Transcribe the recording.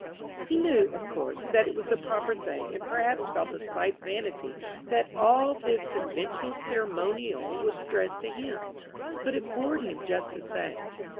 He knew, of course, that it was the proper thing, and perhaps felt a slight vanity that all this conventional ceremonial was addressed to him. But it bored him just the same.